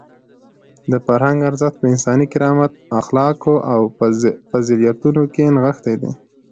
د فرهنګ ارزښت په انساني کرامت، اخلاقو او فضیلتونو کې نغښتی دی.